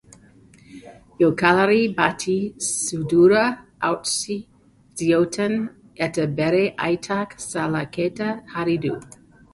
Jokalari bati sudurra hautsi zioten, eta bere aitak salaketa jarri du.